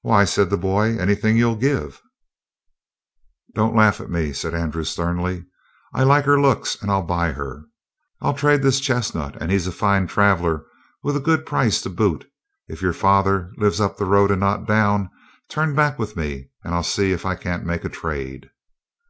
"Why," said the boy, "anything you'll give." "Don't laugh at me," said Andrew sternly. "I like her looks and I'll buy her. I'll trade this chestnut and he's a fine traveler with a good price to boot. If your father lives up the road and not down, turn back with me and I'll see if I can't make a trade."